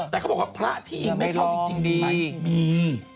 แต่เขาบอกว่าพระที่เองไม่เข้าจริงมีไหมมี